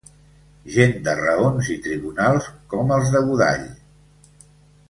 Gent de raons i tribunals, com els de Godall.